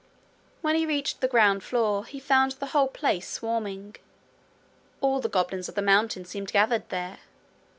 When he reached the ground floor he found the whole place swarming. All the goblins of the mountain seemed gathered there.